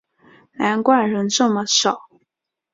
难怪人这么少